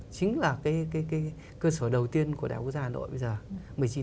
chính là cơ sở đầu tiên của đại học quốc gia hà nội bây giờ